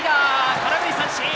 空振り三振。